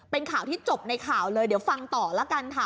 เป็นข่าวที่จบในข่าวเลยเดี๋ยวฟังต่อแล้วกันค่ะ